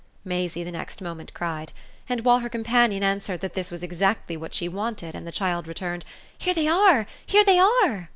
Maisie the next moment cried; and while her companion answered that this was exactly what she wanted and the child returned "Here they are here they are!"